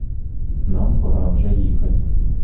Нам пора вже їхать.